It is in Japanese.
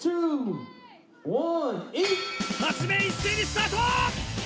一斉にスタート！